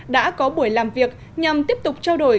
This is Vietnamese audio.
đã có buổi làm việc nhằm tiếp tục trao đổi